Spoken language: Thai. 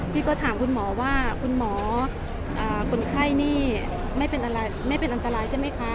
พี่ก็ถามคุณหมอว่าคุณหมอคนไข้นี่ไม่เป็นอันตรายใช่ไหมคะ